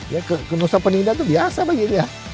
ya kenusah penindas itu biasa baginya